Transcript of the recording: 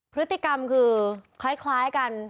พฤติกรรมคือคล้ายกัน